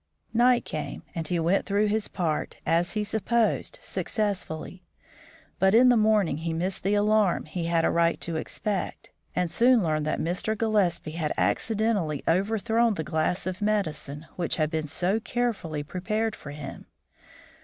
Night came, and he went through his part, as he supposed, successfully; but in the morning he missed the alarm he had a right to expect, and soon learned that Mr. Gillespie had accidentally overthrown the glass of medicine which had been so carefully prepared for him.